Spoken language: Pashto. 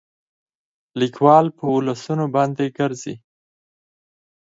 ليکوال په ولسونو باندې ګرځي